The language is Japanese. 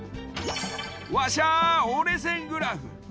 わしゃあ折れ線グラフ。